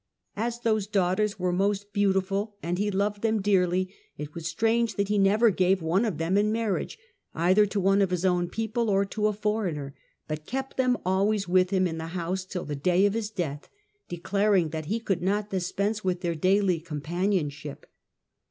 " As those daughters were most beautiful and he loved them dearly, it was strange that he never gave one of them in marriage, either to one of his own people or to a foreigner, but kept them always with him in the house till the day of his death, declaring that he could not dispense with their daily companionship."